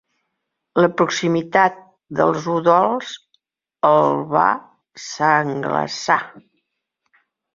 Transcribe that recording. La proximitat dels udols el va sangglaçar.